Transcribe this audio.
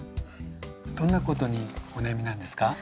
どんなことにお悩みなんですか？